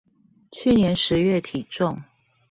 去年十月體重